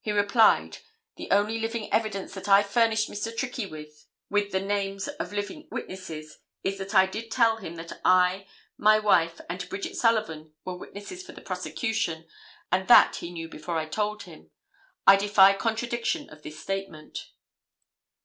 He replied, "The only living evidence that I furnished Mr. Trickey with the names of living witnesses, is that I did tell him that I, my wife and Bridget Sullivan were witnesses for the prosecution, and that he knew before I told him. I defy contradiction of this statement."